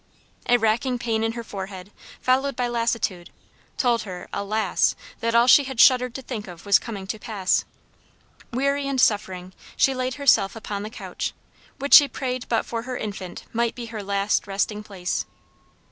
A racking pain in her forehead, followed by lassitude, told her alas! that all she had shuddered to think of was coming to pass. Weary and suffering, she laid herself upon the couch, which she prayed but for her infant might be her last resting place.